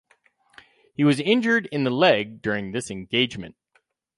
He was injured in the leg during this engagement.